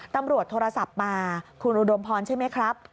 ตำรวจโทรศัพท์มาคุณอุดมพรใช่ไหมครับ